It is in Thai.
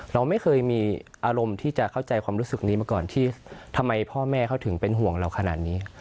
เราไม่เคยมีอารมณ์ที่จะเข้าใจความรู้สึกนี้มาก่อนที่ทำไมพ่อแม่เขาถึงเป็นห่วงเราขนาดนี้